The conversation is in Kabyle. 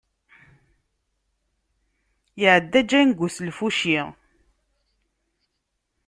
Iεedda Django s lfuci.